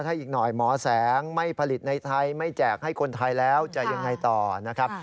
ถ้าอีกหน่อยหมอแสงไม่ผลิตในไทยไม่แจกให้คนไทยแล้วจะยังไงต่อนะครับ